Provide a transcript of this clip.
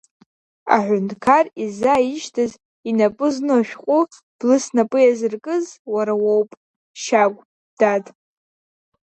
Аҳәынҭқар исзааишьҭыз, инапы зну ашәҟәы блы снапы иазыркыз уара уоуп, Шьагә, дад.